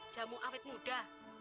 jamu awet muda